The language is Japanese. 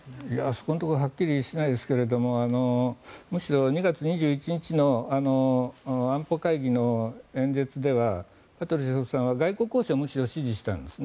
そこのところはっきりしないですけどむしろ２月２１日の安保会議の演説ではパトルシェフさんは外交交渉をむしろ指示したんです。